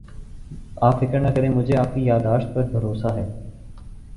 آپ فکر نہ کریں مجھے آپ کی یاد داشت پر بھروسہ ہے